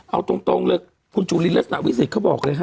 เอาตรงเหลือคุณจุลินรัสณวิสดิ์เขาบอกเลย